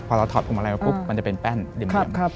พอเราถอดพวงมาลัยมาปุ๊บมันจะเป็นแป้นเหลี่ยม